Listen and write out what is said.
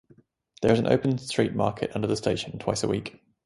There is an open street market under the station twice a week.